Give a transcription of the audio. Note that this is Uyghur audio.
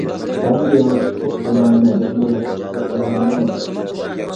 -ئەمدى يانچۇقچىلىق قىلمايمەن، ئەمدى يانچۇقچىلىق قىلمايمەن!